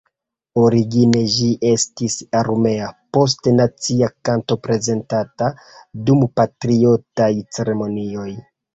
Origine ĝi estis armea, poste nacia kanto prezentata dum patriotaj ceremonioj.